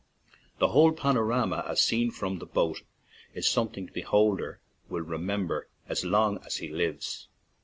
The whole panorama as seen from the boat is something the beholder will re member as long as he lives.